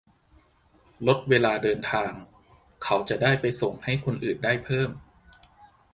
- ลดเวลาเดินทาง เขาจะได้ไปส่งให้คนอื่นได้เพิ่ม